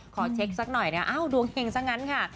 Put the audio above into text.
ขอเช็คสักหน่อยนะอ้าวดวงเห็งซะงั้นค่ะ